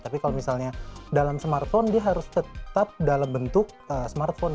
tapi kalau misalnya dalam smartphone dia harus tetap dalam bentuk smartphone